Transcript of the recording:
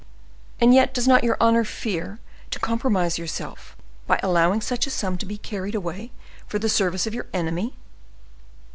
"And yet does not your honor fear to compromise yourself by allowing such a sum to be carried away for the service of your enemy?"